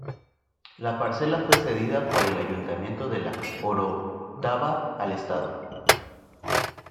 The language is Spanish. La parcela fue cedida por el Ayuntamiento de La Orotava al Estado.